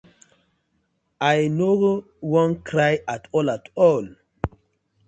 I no won cry atol atol.